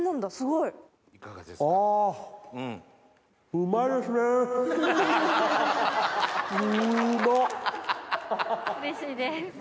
うれしいです。